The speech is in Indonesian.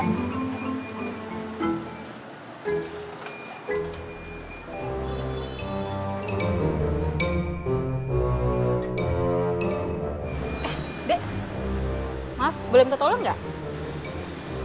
eh de maaf boleh minta tolong nggak